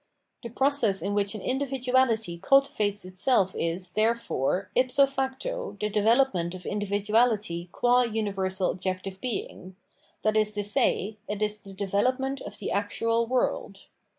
The process in which an individuality cultivates itself is, therefore, ifso facto, the development of individuahty qua universal objective being; that is to say, it is the development of the actual world.